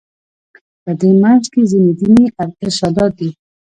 په دې منځ کې ځینې دیني ارشادات دي.